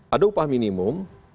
ada upah minimum